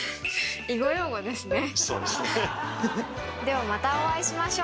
囲碁用語ですね。